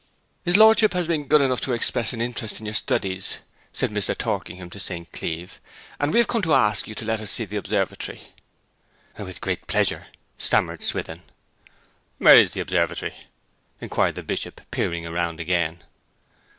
'His lordship has been good enough to express an interest in your studies,' said Mr. Torkingham to St. Cleeve. 'And we have come to ask you to let us see the observatory.' 'With great pleasure,' stammered Swithin. 'Where is the observatory?' inquired the Bishop, peering round again.